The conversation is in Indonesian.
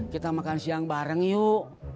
kita makan siang bareng yuk